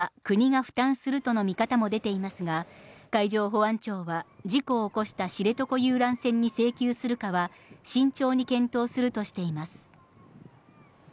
引き揚げ費用については、国が負担するとの見方も出ていますが、海上保安庁は、事故を起こした知床遊覧船に請求するかは慎重に検討するとしています。